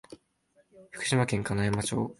福島県金山町